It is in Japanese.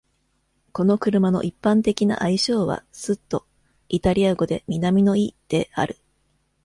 この車の一般的な愛称は「スッド（イタリア語で南の意）」である。